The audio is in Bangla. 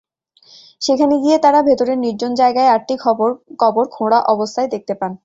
সেখানে গিয়ে তাঁরা ভেতরের নির্জন জায়গায় আটটি কবর খোঁড়া অবস্থায় দেখতে পান।